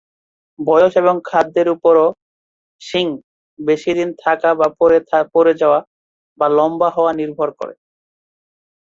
বয়স এবং খাদ্যের উপরও শিং বেশি দিন থাকা বা পড়ে যাওয়া বা লম্বা হওয়া নির্ভর করে।